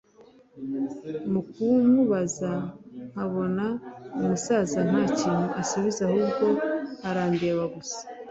mukumubaza nkabona umusaza ntakintu asubiza ahubwo arandeba gusa,